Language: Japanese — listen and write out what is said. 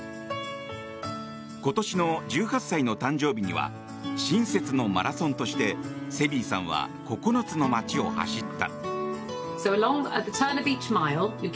今年の１８歳の誕生日には親切のマラソンとしてセビーさんは９つの街を走った。